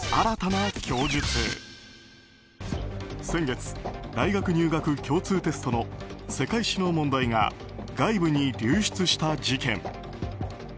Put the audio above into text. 先月、大学入学共通テストの世界史の問題が外部に流出した事件。